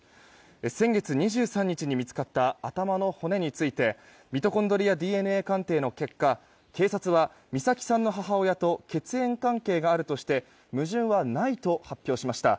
先月２３日に見つかった頭の骨についてミトコンドリアＤＮＡ鑑定の結果警察は美咲さんの母親と血縁関係があるとして矛盾はないと発表しました。